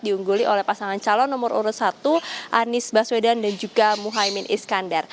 diungguli oleh pasangan calon nomor urut satu anies baswedan dan juga muhaymin iskandar